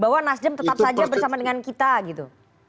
bahwa nasdem tetap saja bersama dengan kita gitu